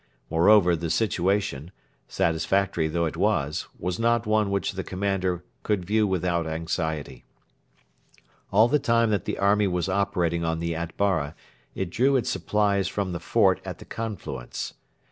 Moreover, the situation, satisfactory though it was, was not one which the commander could view without anxiety. All the time that the army was operating on the Atbara it drew its supplies from the fort at the confluence.